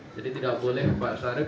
jadi tidak boleh pak sarip